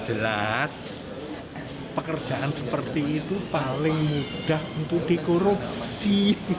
jelas pekerjaan seperti itu paling mudah untuk dikorupsi